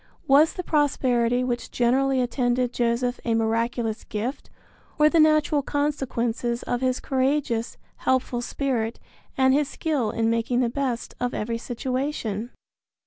Was the prosperity which generally attended Joseph a miraculous gift or the natural consequences of his courageous, helpful spirit and his skill in making the best of every situation?